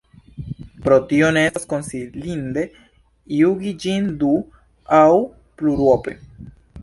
Pro tio ne estas konsilinde jungi ĝin du- aŭ plurope.